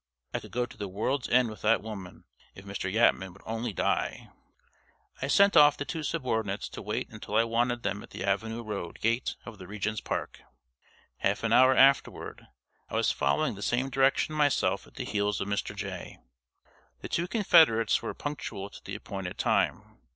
I could go to the world's end with that woman if Mr. Yatman would only die. I sent off the two subordinates to wait until I wanted them at the Avenue Road gate of the Regent's Park. Half an hour afterward I was following the same direction myself at the heels of Mr. Jay. The two confederates were punctual to the appointed time.